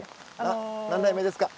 何代目ですか？